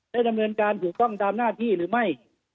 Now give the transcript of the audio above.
ดำเนินการถูกต้องตามหน้าที่หรือไม่